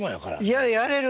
いややれる。